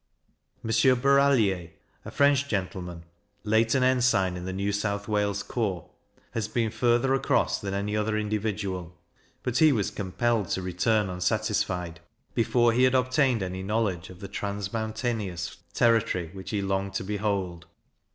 M. Barrallier, a French gentleman, late an engsign in the New South Wales corps, has been further across than any other individual; but he was compelled to return unsatisfied, before he had obtained any knowledge of the trans mountaneous territory which he longed to behold.